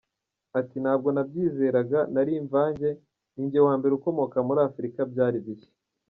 Ati “Ntabwo nabyizeraga, nari imvange, ni njye wa mbere ukomoka muri Afurika, byari bishya…”.